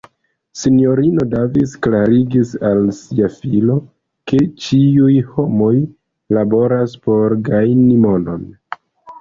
S-ino Davis klarigis al sia filo, ke ĉiuj homoj laboras por gajni monon.